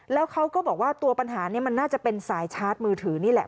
แล้วเขาก็บอกว่าตัวปัญหานี้มันน่าจะเป็นสายชาร์จมือถือนี่แหละ